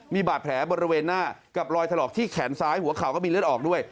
มีบาดแผลบริเวณหน้ากับรอยถลอกที่แขนซ้ายหัวเข่าก็มีเลือดออกด้วย